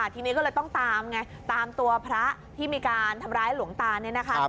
ทีนี้เลยต้องตามตัวพระที่มีการทำร้ายหลวงตา